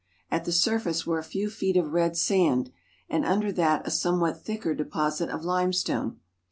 At the surface were a few feet of red sand, and under that a somewhat thicker deposit of limestone.